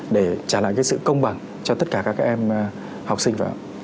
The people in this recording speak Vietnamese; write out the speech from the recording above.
để trả lại cái sự công bằng cho tất cả các em học sinh